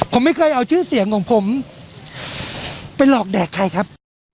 ผมไม่เคยเอาชื่อเสียงของผมไปหลอกแดกใครครับ